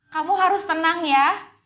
kamu harus tenang ya